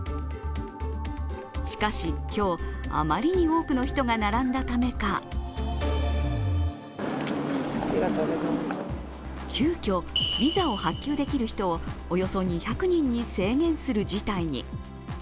しかし今日、あまりに多くの人が並んだためか急きょビザを発給できる人をおよそ２００人に制限する事態に。